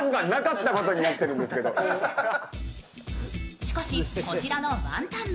しかし、こちらのワンタン麺